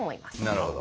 なるほど。